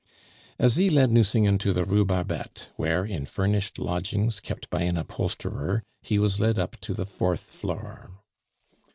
Asie led Nucingen to the Rue Barbette, where, in furnished lodgings kept by an upholsterer, he was led up to the fourth floor.